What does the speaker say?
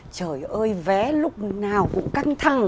trời ơi vé lúc nào cũng căng thẳng